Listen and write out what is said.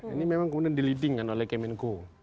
ini memang kemudian dilidingkan oleh kemenko